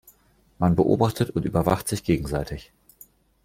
Man beobachtet und überwacht sich gegenseitig.